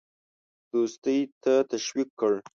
دوستی ته تشویق کړ.